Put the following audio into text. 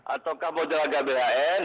atau kamodraga bhn